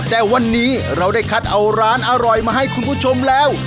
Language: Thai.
แต่วันนี้เราได้คัดเอาร้านอร่อยมาให้คุณผู้ชมแล้ว